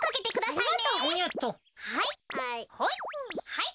はい。